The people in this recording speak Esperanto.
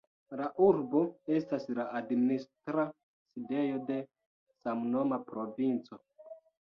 La urbo estas la administra sidejo de samnoma provinco.